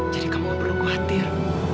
jadi kamu nggak perlu khawatir